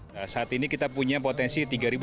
nah saat ini kita punya potensi tiga